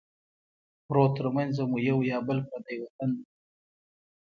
پروت ترمنځه مو یو یا بل پردی وطن دی